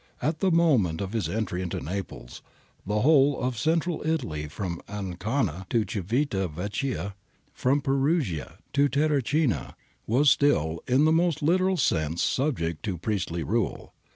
At the moment of his entry into Naples the whole of Central Italy from Ancona to Civita Vecchia, from Perugia to Terracina, was still in the most literal sense subject to priestly rule.